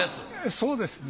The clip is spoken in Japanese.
そうですね。